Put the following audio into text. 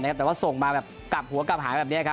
แต่ว่าส่งมากลับหัวกลับหาแบบนี้